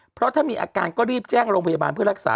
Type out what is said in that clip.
เพราะถ้ามีอาการก็รีบแจ้งโรงพยาบาลเพื่อรักษา